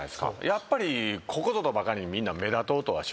やっぱりここぞとばかりにみんな目立とうとはしますよね。